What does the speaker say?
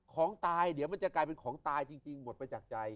ของตายเดี๋ยวมันจะกลายเป็นของตายจริงหมดไปจากใจ